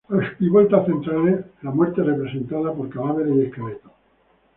Arquivoltas centrales: la Muerte, representada por cadáveres y esqueletos.